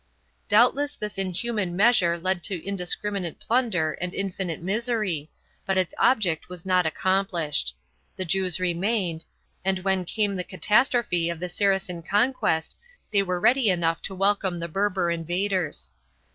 1 Doubtless this inhuman measure led to indiscriminate plunder and infinite misery, but its object was not accomplished. The Jews remained, and when came the catastrophe of the Saracen conquest they were ready enough to welcome the Berber in vaders.